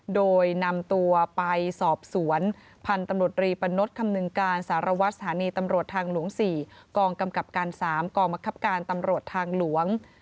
โดยนำตัวไปสอบสวนพันธุ์ตำรวจรีปะนดคำนึงการสารวัตรสถานีตำรวจทางหลวง๔กองกำกับการ๓กองบังคับการตำรวจทางหลวง